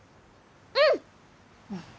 うん！